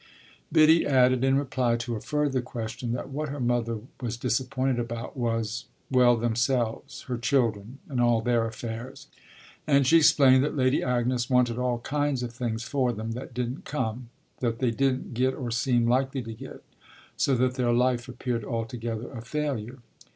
Biddy added in reply to a further question that what her mother was disappointed about was well, themselves, her children and all their affairs; and she explained that Lady Agnes wanted all kinds of things for them that didn't come, that they didn't get or seem likely to get, so that their life appeared altogether a failure.